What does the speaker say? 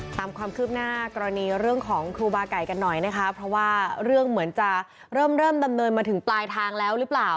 ตามความคืบหน้ากรณีเรื่องของครูบาไก่กันหน่อยนะคะเพราะว่าเรื่องเหมือนจะเริ่มเริ่มดำเนินมาถึงปลายทางแล้วหรือเปล่า